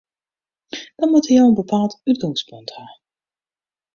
Dan moatte jo in bepaald útgongspunt ha.